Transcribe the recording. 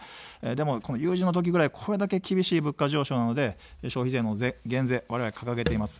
でも、有事の時ぐらい、これだけ厳しい物価上昇なので、消費税の減税、われわれ掲げています。